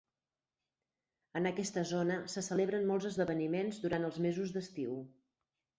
En aquesta zona se celebren molts esdeveniments durant els mesos d'estiu.